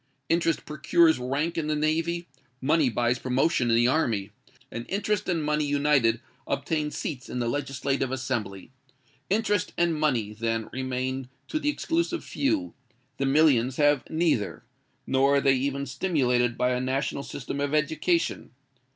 Interest procures rank in the Navy—money buys promotion in the Army—and interest and money united obtain seats in the Legislative Assembly. Interest and money, then, remain to the exclusive few: the millions have neither—nor are they even stimulated by a national system of Education.